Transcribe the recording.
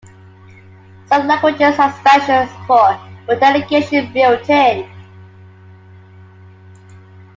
Some languages have special support for delegation built in.